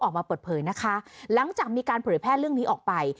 ออกมาเปิดเผยนะคะหลังจากมีการเผยแพร่เรื่องนี้ออกไป